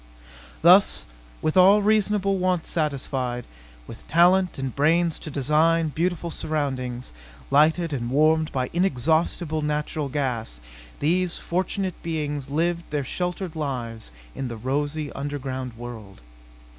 Thus, with all reasonable wants satisfied, with talent and brains to design beautiful surroundings, lighted and warmed by inexhaustible natural gas, these fortunate beings lived their sheltered lives in their rosy underground world.